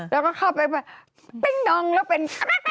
แล้วก็เข้าไปปิ้งนองแล้วเป็น